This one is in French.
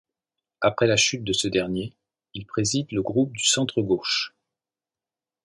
Après la chute de ce dernier, il préside le groupe du centre-gauche.